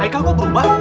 aika kau berubah